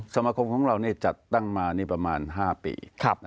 สมาคมของเราจัดตั้งมานี่ประมาณ๕ปี